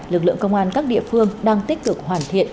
lực lượng công an các địa phương đang tích cực hoàn thiện